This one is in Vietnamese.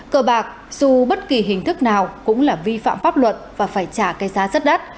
cờ bạc dù bất kỳ hình thức nào cũng là vi phạm pháp luật và phải trả cây giá rất đắt